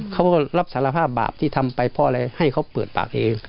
เขาก็รับสารภาพบาปที่ทำไปเพราะอะไรให้เขาเปิดปากเอง